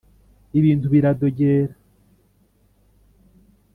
Ibintu biradogera